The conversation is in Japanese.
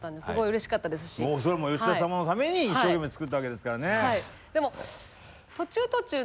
もうそれも吉田様のために一生懸命作ったわけですからね。